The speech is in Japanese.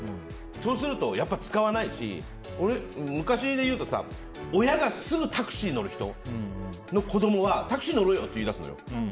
そうするとやっぱ使わないし昔でいうと、親がすぐタクシー乗る人の子供がタクシー乗ろうよって言い出すのよ。